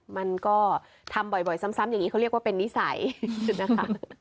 มันก็ทำบ่อยซ้ำอย่างนี้เขาเรียกว่าเป็นนิสัยนะคะ